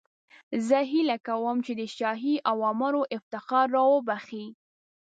زه هیله کوم چې د شاهي اوامرو افتخار را وبخښئ.